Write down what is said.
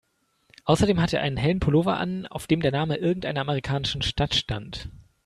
Außerdem hatte er einen hellen Pullover an, auf dem der Name irgendeiner amerikanischen Stadt stand.